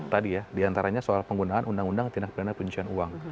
tadi ya diantaranya soal penggunaan undang undang tindak pidana pencucian uang